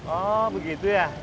oh begitu ya